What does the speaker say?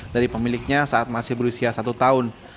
dari pemiliknya saat masih berusia satu tahun